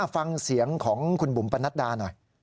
ฟังเสียงของคุณบุ๋มปนัดดาหน่อย